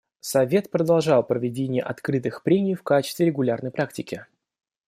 Совет продолжал проведение открытых прений в качестве регулярной практики.